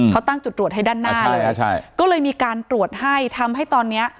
เขาตั้งจุดตรวจให้ด้านหน้าเลยอ่าใช่ก็เลยมีการตรวจให้ทำให้ตอนเนี้ย